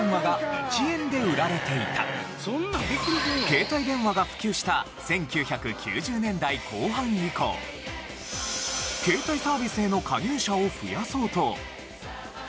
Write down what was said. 携帯電話が普及した１９９０年代後半以降携帯サービスへの加入者を増やそうと。